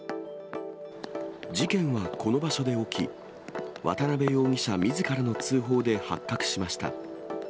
事件はこの場所で起き、渡辺容疑者みずからの通報で発覚しました。